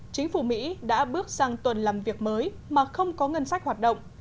chính phủ mỹ đã bước sang tuần làm việc mới mà không có ngân sách hoạt động